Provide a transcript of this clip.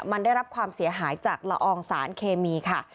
มันได้รับความเสียหายจากละอองสารเคมีค่ะ